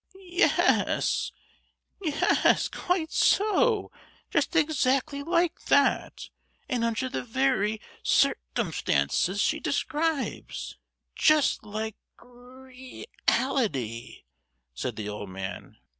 "Yes—yes, quite so! just exactly like that; and under the very cir—cumstances she describes: just like re—ality," said the old man.